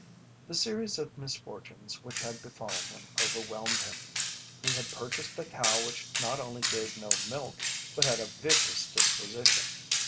The series of misfortunes which had befallen him overwhelmed him. He had purchased a cow which not only gave no milk but had a vicious disposition.